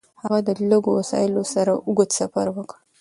هغه د لږو وسایلو سره اوږد سفر وکړ.